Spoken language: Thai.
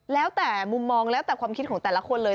แล้วแต่มุมมองแล้วแต่ความคิดของแต่ละคนเลย